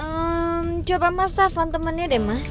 ehm coba mas tepan temennya deh mas